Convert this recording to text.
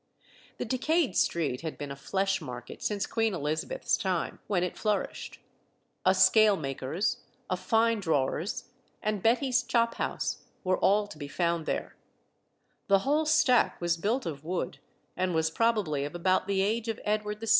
The decayed street had been a flesh market since Queen Elizabeth's time, when it flourished. A scalemaker's, a fine drawer's, and Betty's chophouse, were all to be found there. The whole stack was built of wood, and was probably of about the age of Edward VI.